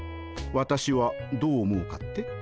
私はどう思うかって？